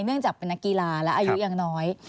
เนื่องจากเป็นนักกีฬาและอายุยังน้อย